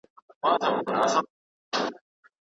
مقدمه د ابن خلدون شاهکار دی.